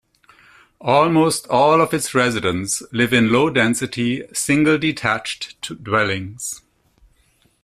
Almost all of its residents live in low-density, single detached dwellings.